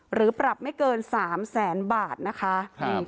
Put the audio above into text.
หรือปรับไม่เกิน๓แสนบาทนะคะ